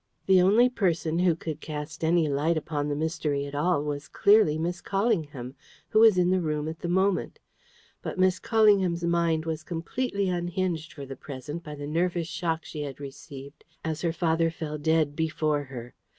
The only person who could cast any light upon the mystery at all was clearly Miss Callingham, who was in the room at the moment. But Miss Callingham's mind was completely unhinged for the present by the nervous shock she had received as her father fell dead before her.